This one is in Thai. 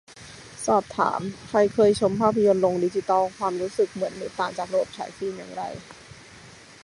สอบถาม - ใครเคยชมภาพยนตร์โรงดิจิตอล ความรู้สึกเหมือนหรือต่างจากระบบฉายฟิล์มอย่างไร